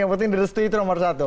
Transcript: yang penting direstui itu nomor satu